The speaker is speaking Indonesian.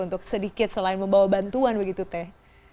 untuk sedikit selain membawa bantuan begitu teh